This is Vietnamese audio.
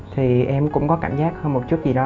thì em cũng có cảm giác hơn một chút gì đó